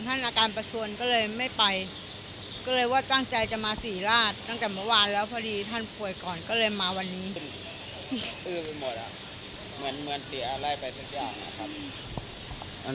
ทำอะไรก็ได้ไม่ให้เราเดือดร้อนตัวเองไม่ให้เราเดือดร้อนคนอื่น